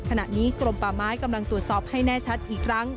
ขณะนี้กรมป่าไม้กำลังตรวจสอบให้แน่ชัดอีกครั้ง